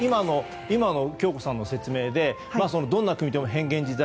今の京子さんの説明でどんな組み手でも変幻自在。